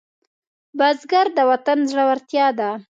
بزګر د وطن زړورتیا ده